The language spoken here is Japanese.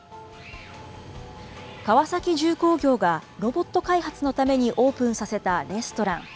川崎重工業が、ロボット開発のためにオープンさせたレストラン。